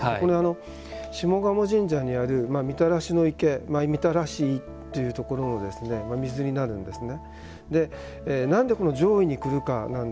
これ、下鴨神社にある御手洗池みたらしいというところの水になるんですね。